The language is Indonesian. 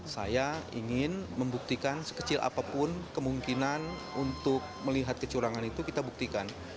saya ingin membuktikan sekecil apapun kemungkinan untuk melihat kecurangan itu kita buktikan